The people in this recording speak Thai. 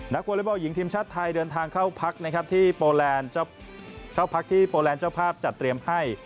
นักวอลเลวอล์เย็งทีมชาติไทยเดินทางเข้าพักที่โปรแลนด์เจ้าภาพจัดเตรียมให้